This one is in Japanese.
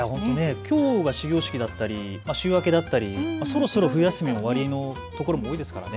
きょうが始業式だったり週明けだったり、そろそろ冬休みも終わりのところが多いですからね。